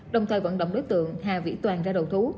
đồng thời vận động đối tượng hà vĩ toàn ra đầu thú